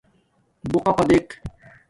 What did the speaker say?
بݸقپݳ دݵک.